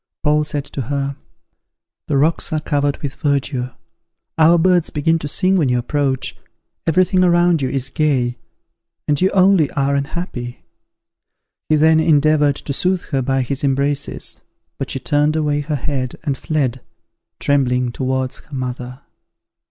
Paul said to her, "The rocks are covered with verdure, our birds begin to sing when you approach, everything around you is gay, and you only are unhappy." He then endeavoured to soothe her by his embraces, but she turned away her head, and fled, trembling towards her mother.